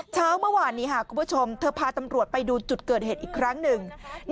เช้าเมื่อวานนี้คุณผู้ชมเธอพาตำรวจไปดูจุดเกิดเหตุอีกครั้งหนึ่ง